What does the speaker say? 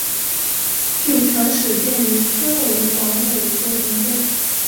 据传始建于孙吴黄武年间。